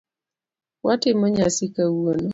Watimo nyasi kawuono.